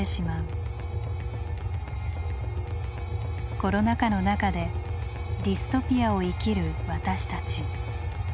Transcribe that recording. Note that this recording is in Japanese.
コロナ禍の中で「ディストピア」を生きる私たち。